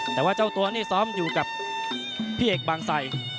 แต่ว่าเจ้าตัวนี่ซ้อมอยู่กับพี่เอกบางไซ